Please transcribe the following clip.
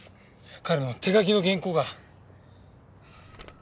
彼の手書きの原稿が。